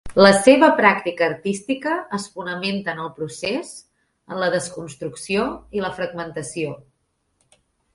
La seva pràctica artística es fonamenta en el procés, en la desconstrucció i la fragmentació.